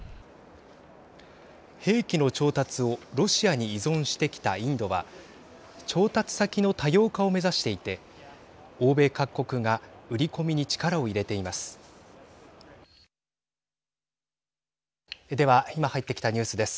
兵器の調達をロシアに依存してきたインドは調達先の多様化を目指していて欧米各国が売り込みに力を入れています。